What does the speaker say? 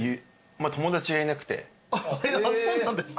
そうなんですか。